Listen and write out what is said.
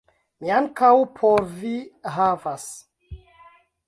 Ni ankaŭ por vi havas